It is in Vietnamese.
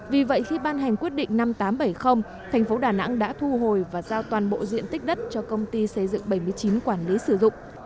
vì vậy khi ban hành quyết định năm nghìn tám trăm bảy mươi thành phố đà nẵng đã thu hồi và giao toàn bộ diện tích đất cho công ty xây dựng bảy mươi chín quản lý sử dụng